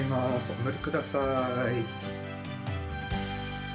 おのりください。